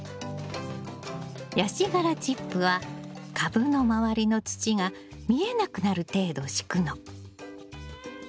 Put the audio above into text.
ヤシ殻チップは株の周りの土が見えなくなる程度敷くの。